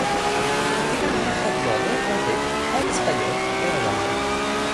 Il est également traduit en néerlandais, en espagnol et en allemand.